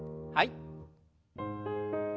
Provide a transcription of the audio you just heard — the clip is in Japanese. はい。